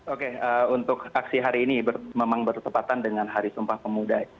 oke untuk aksi hari ini memang bertepatan dengan hari sumpah pemuda